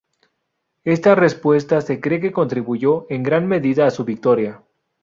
Esta respuesta se cree que Contribuyó en gran medida a su victoria.